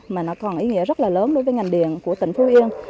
mà nó còn ý nghĩa rất là lớn đối với ngành điện của tỉnh phú yên